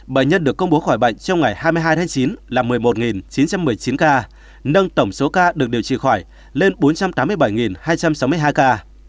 bệnh nhân được công bố khỏi bệnh trong ngày hai mươi hai tháng chín là một mươi một chín trăm một mươi chín ca nâng tổng số ca được điều trị khỏi lên bốn trăm tám mươi bảy hai trăm sáu mươi hai ca